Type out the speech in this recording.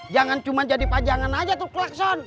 jangan cuma jadi pajangan aja tuh klakson